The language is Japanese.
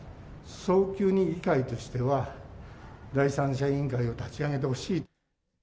早急に議会としては、第三者委員会を立ち上げてほしいと。